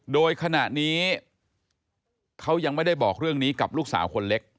โดยขณะนี้เขายังไม่ได้บอกเรื่องนี้กับลูกสาวคนเล็ก